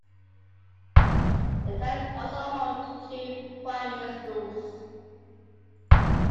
The town is also home to two primary schools.